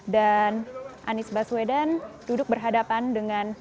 dan anies baswedan duduk berhadapan dengan